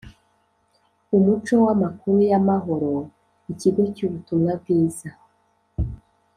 umuco w’amakuru y’amahoro, ikigo cy’ubutumwa bwiza